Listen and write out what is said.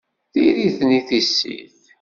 D iri-ten i tissit!